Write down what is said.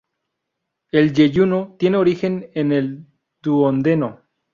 El yeyuno tiene origen en el duodeno.